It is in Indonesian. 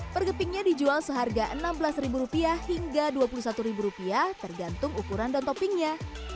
pergepingnya dijual seharga rp enam belas hingga rp dua puluh satu tergantung ukuran dan toppingnya